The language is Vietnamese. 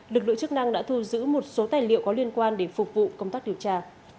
lực lượng chức năng đã thu giữ một số tài liệu có liên quan để phục vụ công tác điều tra